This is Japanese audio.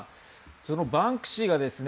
そのバンクシーがですね